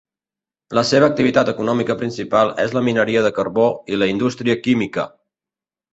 La seva activitat econòmica principal és la mineria de carbó i la indústria química.